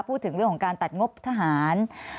พูดถึงเรื่องของการตัดงบทหาร